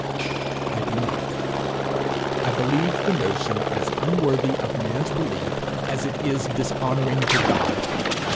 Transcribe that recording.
I do not. I believe the notion as unworthy of man's belief, as it is dishonouring to God.